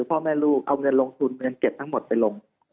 พ่อแม่ลูกเอาเงินลงทุนเงินเก็บทั้งหมดไปลง